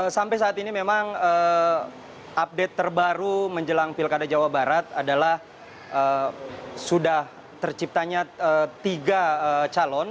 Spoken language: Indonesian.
sampai saat ini memang update terbaru menjelang pilkada jawa barat adalah sudah terciptanya tiga calon